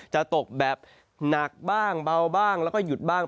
จะตกแบบหนักบ้างเบาบ้างแล้วก็หยุดบ้าง